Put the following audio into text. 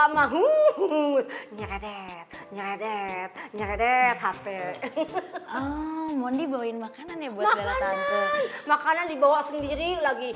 makanan makanan dibawa sendiri lagi